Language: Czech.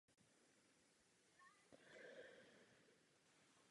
Pro tyto účely se stále ještě vyrábí nové stavy ze dřeva.